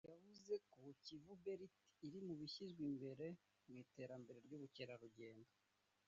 yavuze ko “Kivu Belt” iri mu bishyizwe imbere mu iterambere ry’ubukerarugendo